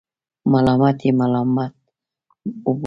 ملامت یې ملامت وبللو.